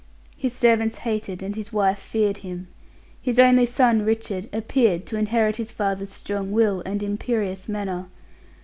His servants hated, and his wife feared him. His only son Richard appeared to inherit his father's strong will and imperious manner.